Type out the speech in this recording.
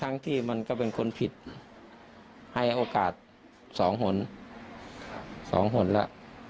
ที่มันก็เป็นคนผิดให้โอกาสสองหน๒หนแล้ว